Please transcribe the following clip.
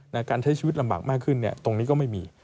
การใช้ชีวิตลำบากมากขึ้นตรงนี้ก็ไม่มี